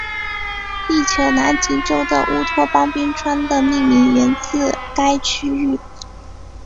地球南极洲的乌托邦冰川的命名源自该区域。